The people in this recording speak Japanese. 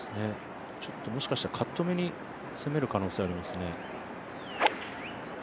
もしかしたらカットめに攻めるかもしれないですね。